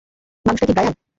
মানুষটা কি ব্রায়ান?